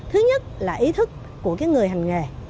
thứ nhất là ý thức của người hành nghề